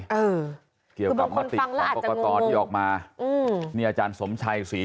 เออคือบางคนฟังล่ะอาจจะงงเกี่ยวกับมาอืมนี่อาจารย์สมชัยศรี